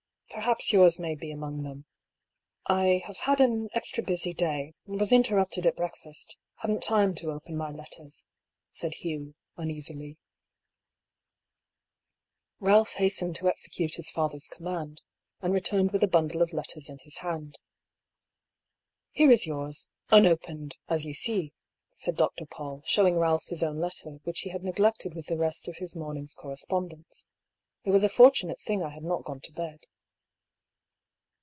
Perhaps yours may be among them. I have had an extra busy day — was interrupted at breakfast — hadn't time to open my letters," said Hugh, uneasily. 184 DR. PAULL'S THEORY. Balph hastened to execute his father's command, and retamed with a bundle of letters in his hand. " Here is yours — unopened — ^as you see," said Dr. Paull, showing Balph his own letter, which he had neglected with the rest of his morning's correspondence. " It was a fortunate thing I had not gone to bed."